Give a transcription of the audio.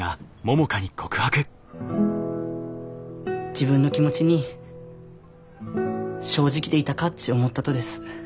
自分の気持ちに正直でいたかっち思ったとです。